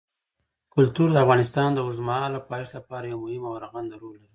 کلتور د افغانستان د اوږدمهاله پایښت لپاره یو مهم او رغنده رول لري.